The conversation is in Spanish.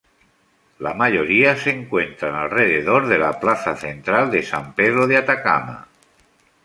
La mayoría se encuentran alrededor de la plaza central de San Pedro de Atacama.